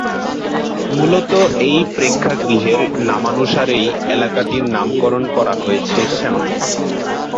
মূলত এই প্রেক্ষাগৃহের নামানুসারেই এলাকাটির নামকরণ করা হয়েছে "শ্যামলী"।